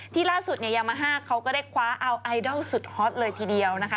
ล่าสุดเนี่ยยามาฮ่าเขาก็ได้คว้าเอาไอดอลสุดฮอตเลยทีเดียวนะคะ